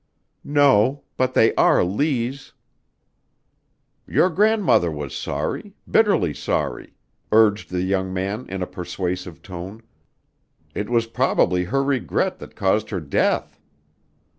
"No. But they are Lees." "Your grandmother was sorry bitterly sorry," urged the young man in a persuasive tone. "It was probably her regret that caused her death."